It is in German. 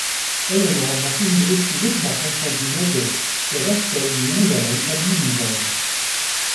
Helena nach diesen Berichten mit nach Konstantinopel, der Rest soll in Jerusalem verblieben sein.